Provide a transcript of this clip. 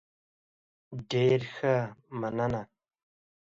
ډیر ښه، مننه.